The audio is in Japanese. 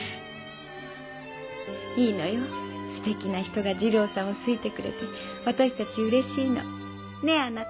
いいのよ素敵な人が二郎さんを好いてくれて私たち嬉しいのねぇあなた。